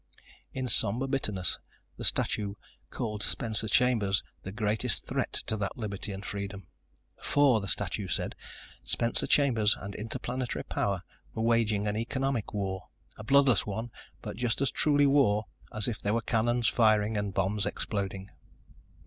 In somber bitterness, the statue called Spencer Chambers the greatest threat to that liberty and freedom. For, the statue said, Spencer Chambers and Interplanetary Power were waging an economic war, a bloodless one, but just as truly war as if there were cannons firing and bombs exploding.